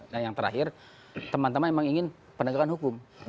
nah yang terakhir teman teman memang ingin penegakan hukum